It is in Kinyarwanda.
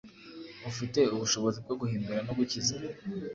ufite ubushobozi bwo guhindura no gukiza.